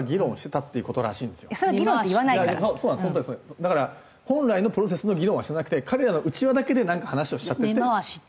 だから本来のプロセスの議論はしてなくて彼らの内輪だけでなんか話をしちゃってて。